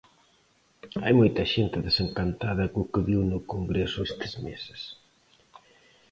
Hai moita xente desencantada co que viu no Congreso estes meses.